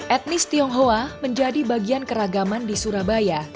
etnis tionghoa menjadi bagian keragaman di surabaya